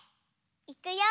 いくよ！